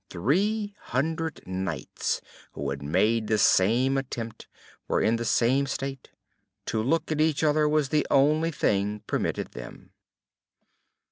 Three hundred knights, who had made the same attempt, were in the same state. To look at each other was the only thing permitted them.